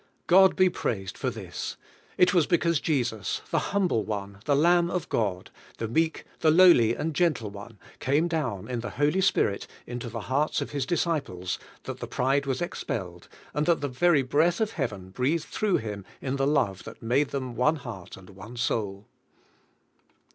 God be praised for this! It was because Jesus, the hum ble One, the Lamb of God, the meek, the lowly and gentle One, came down in the Holy Spirit into the hearts of His disciples, that the pride was expelled, and that the very breath of Heaven 96 CHRIS rS HUMILITY OUR SALVATION breathed through Him in the love that made them one heart and one soul.